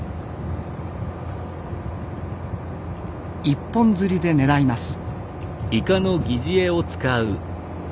一本釣りで狙います。